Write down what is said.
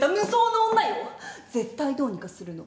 絶対どうにかするの。